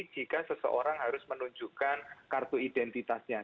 jika seseorang harus menunjukkan kartu identitasnya